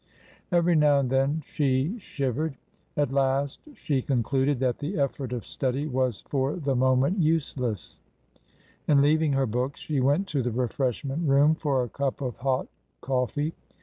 Every now and then she shivered. At 238 TRANSITION, last she concluded that the effort of study was for the moment useless, and, leaving her books, she went to the refreshment room for a cup of hot coffee.